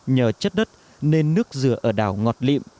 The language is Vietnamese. nhờ chất đất nên nước dừa ở đảo ngọt lịm